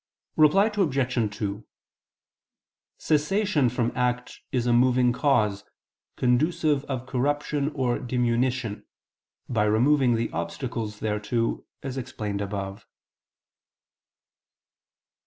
Reply Obj. 2: Cessation from act is a moving cause, conducive of corruption or diminution, by removing the obstacles thereto, as explained above.